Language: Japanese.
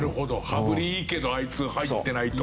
「羽振りいいけどあいつ入ってない」と。